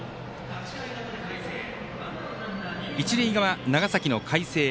一塁側、長崎の海星。